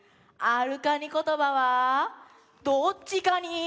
「あるカニことば」はどっちカニ？